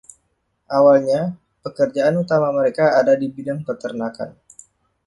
Awalnya, pekerjaan utama mereka ada di bidang peternakan.